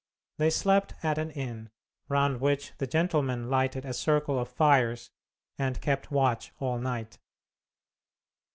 They slept at an inn, round which the gentlemen lighted a circle of fires, and kept watch all night.